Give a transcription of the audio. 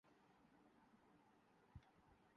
میرا جی متلا رہا ہے